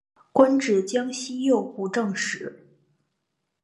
官至江西右布政使。